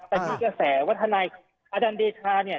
แต่มีกระแสว่าทนายอาจารย์เดชาเนี่ย